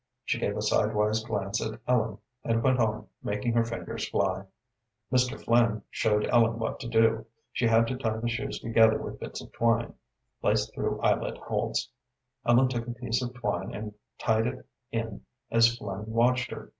She gave a sidewise glance at Ellen, and went on, making her fingers fly. Mr. Flynn showed Ellen what to do. She had to tie the shoes together with bits of twine, laced through eyelet holes. Ellen took a piece of twine and tied it in as Flynn watched her.